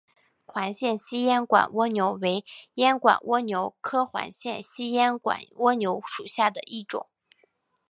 环线细烟管蜗牛为烟管蜗牛科环线细烟管蜗牛属下的一个种。